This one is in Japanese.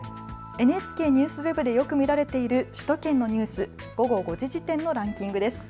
ＮＨＫＮＥＷＳＷＥＢでよく見られている首都圏のニュース、午後５時時点のランキングです。